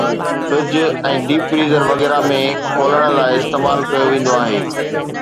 fridge ۽ deep freezer وغيره ۾ کولڻ لاءِ استعمال ڪيو ويندو آهي